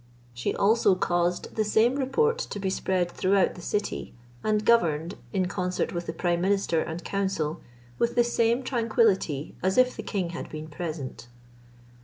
She also caused the same report to be spread throughout the city, and governed, in concert with the prime minister and council, with the same tranquillity as if the king had been present.